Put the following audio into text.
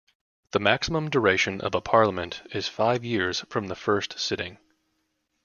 The maximum duration of a Parliament is five years from the first sitting.